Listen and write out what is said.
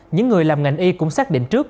những người làm ngành y cũng xác định trước